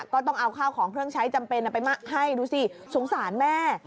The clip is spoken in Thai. ก็ต้องเอาข้าวของเครื่องใช้จำเป็นไปให้ดูสิสงสารแม่